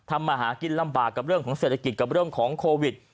มาหากินลำบากกับเรื่องของเศรษฐกิจกับเรื่องของโควิด